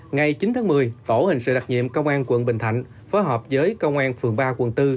ngày chín tháng một mươi tổ hình sự đặc nhiệm công an quận bình thạnh phối hợp với công an phường ba quận bốn